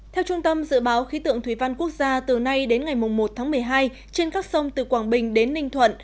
theo trung tâm dự báo khí tượng thủy văn quốc gia từ nay đến ngày một tháng một mươi hai trên các sông từ quảng bình đến ninh thuận